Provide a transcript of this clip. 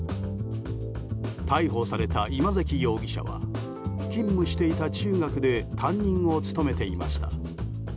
逮捕された今関容疑者は勤務していた中学で担任を務めていました。